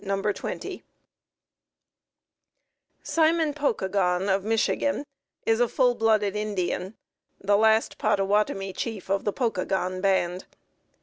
[Footnote A: Simon Pokagon, of Michigan, is a full blooded Indian, the last Pottawattomie chief of the Pokagon band.